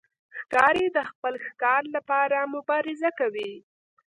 ښکاري د خپل ښکار لپاره مبارزه کوي.